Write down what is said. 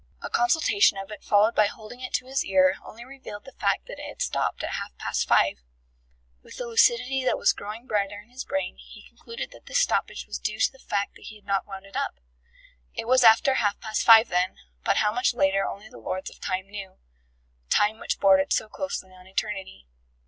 A consultation of it followed by holding it to his ear only revealed the fact that it had stopped at half past five. With the lucidity that was growing brighter in his brain, he concluded that this stoppage was due to the fact that he had not wound it up. ... It was after half past five then, but how much later only the Lords of Time knew Time which bordered so closely on Eternity.